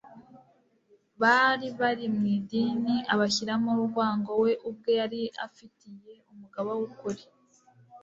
bari bari mu idini abashyiramo urwango we ubwe yari afitiye umugaba w’ukuri